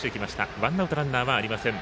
ワンアウト、ランナーはありません。